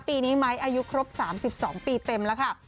ปีนี้ไม้อายุครบ๓๒ปีเต็มแล้วค่ะ